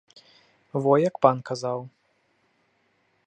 Во як пан казаў.